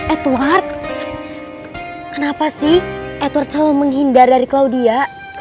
edward kenapa sih edward selalu menghindar dari claudia